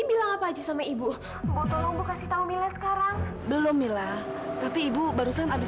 bilang apa aja sama ibu butuh bukasitau mila sekarang belum mila tapi ibu barusan habis